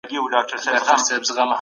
د لويي جرګې په اړه کتاب چا لیکلي دي؟